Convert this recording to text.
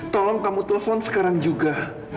tolong kamu telpon sekarang juga